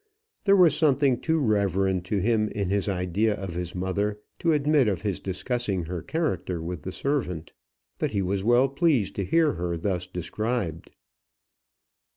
There was something too reverend to him in his idea of his mother, to admit of his discussing her character with the servant. But he was well pleased to hear her thus described.